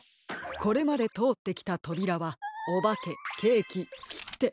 これまでとおってきたとびらはおばけケーキきって。